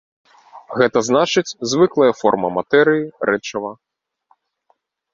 Гэта значыць, звыклая форма матэрыі, рэчыва.